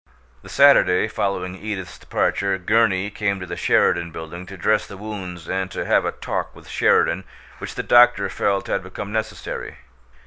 The Saturday following Edith's departure Gurney came to the Sheridan Building to dress the wounds and to have a talk with Sheridan which the doctor felt had become necessary.